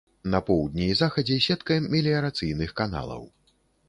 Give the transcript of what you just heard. На поўдні і захадзе сетка меліярацыйных каналаў.